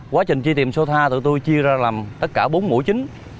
quá trình truy tìm sotha tụi tôi chia ra làm tất cả bốn mũi chính